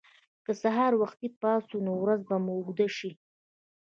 که سهار وختي پاڅو، نو ورځ به اوږده شي.